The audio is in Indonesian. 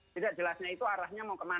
tidak jelasnya itu arahnya mau kemana